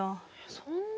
そんな。